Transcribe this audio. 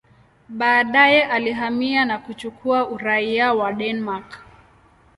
Baadaye alihamia na kuchukua uraia wa Denmark.